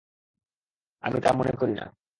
আমি তা মনে করি না।